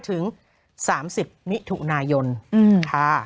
โหยวายโหยวายโหยวาย